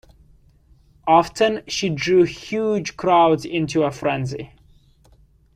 Often she drew huge crowds into a frenzy.